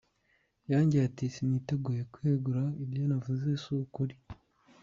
Yongeye ati “Siniteguye kwegura, ibyo navuze si ukuri.